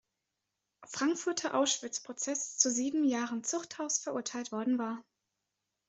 Frankfurter Auschwitzprozess zu sieben Jahren Zuchthaus verurteilt worden war.